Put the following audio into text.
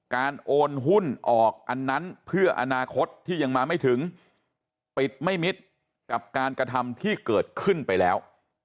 โอนหุ้นออกอันนั้นเพื่ออนาคตที่ยังมาไม่ถึงปิดไม่มิดกับการกระทำที่เกิดขึ้นไปแล้ว